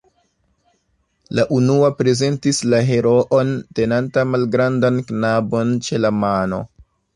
La unua prezentis la heroon, tenanta malgrandan knabon ĉe la mano.